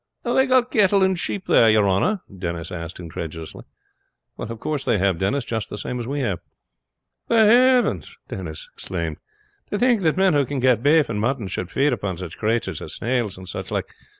have they got cattle and sheep there, your honor?" Denis asked incredulously. "Of course they have, Denis; just the same as we have." "The hathens!" Denis exclaimed. "To think that men who can get beef and mutton should feed upon such craturs as snails and such like.